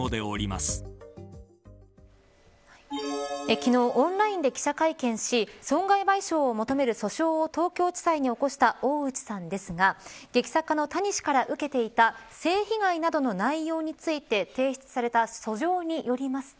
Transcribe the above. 昨日オンラインで記者会見し損害賠償を求める訴訟を東京地裁に起こした大内さんですが劇作家の谷氏から受けていた性被害などの内容について提出された訴状によりますと